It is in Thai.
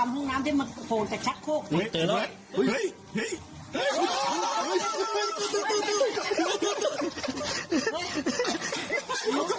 หูตกใจหรือมัน